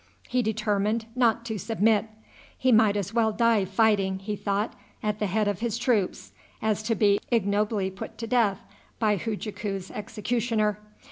He determined not to submit. He might as well die fighting, he thought, at the head of his troops, as to be ignobly put to death by Hujaku's executioner.